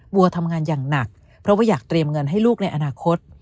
วัวทำงานอย่างหนักเพราะว่าอยากเตรียมเงินให้ลูกในอนาคต